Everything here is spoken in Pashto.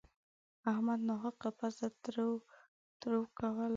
احمد ناحقه پزه تروه تروه کوله.